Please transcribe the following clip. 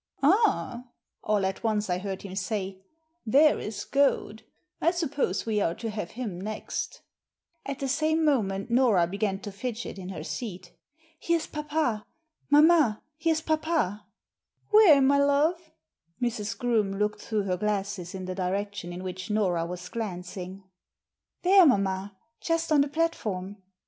*Ah!" all at once I heard him say, * there is Goad. I suppose we are to have him next" At the same moment Nora began to fidget in her seat " Here's papa. Mamma, here's papa." " Where, my love ?" Mrs. Groome looked through her glasses in the direction in which Nora was glancing. Digitized by VjOOQIC_ A DOUBLE MINDED GENTLEMAN 237 U * 'There, mamma. Just on the platform.